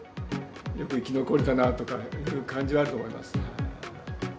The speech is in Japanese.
よく生き残れたなとか、感じはあると思います。